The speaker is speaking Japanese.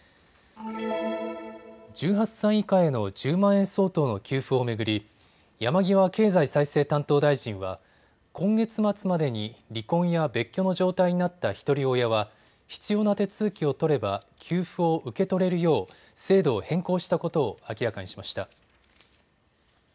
１８歳以下への１０万円相当の給付を巡り、山際経済再生担当大臣は今月末までに離婚や別居の状態になったひとり親は必要な手続きを取れば給付を受け取れるよう制度を変更したことを明らかにしました。